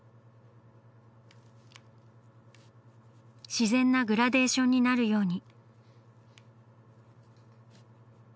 自然なグラデーションになるように。